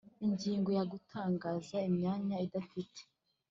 Ingingo ya Gutangaza imyanya idafite